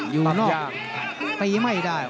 อยู่นอกตีไม่ได้